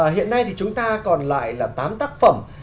hiện nay thì chúng ta còn lại là tám tác phẩm